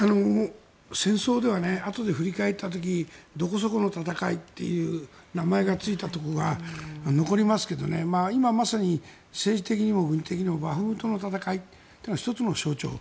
戦争ではあとで振り返った時どこそこの戦いっていう名前がついたところが残りますけど今まさに政治的にも軍事的にもバフムトの戦いというのは１つの象徴。